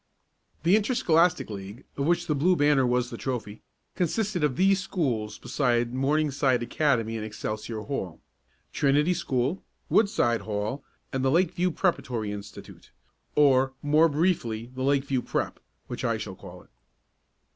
The Interscholastic League, of which the Blue Banner was the trophy, consisted of these schools beside Morningside Academy and Excelsior Hall: Trinity School, Woodside Hall and the Lakeview Preparatory Institute or, more briefly the Lakeview Prep., which I shall call it.